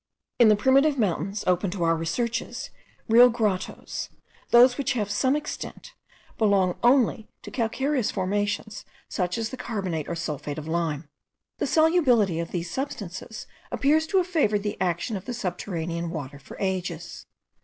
In the primitive mountains open to our researches, real grottoes, those which have some extent, belong only to calcareous formations, such as the carbonate or sulphate of lime. The solubility of these substances appears to have favoured the action of the subterranean waters for ages.